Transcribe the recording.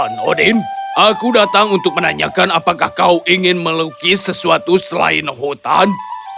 anodim aku datang untuk menanyakan apakah kau ingin melukis sesuatu selain hutan